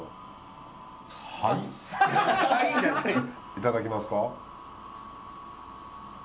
いただきますか。